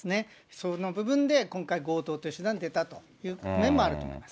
その部分で今回、強盗という手段に出たという面もあると思います。